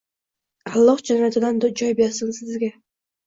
Alloh jannatidan joy bersin sizga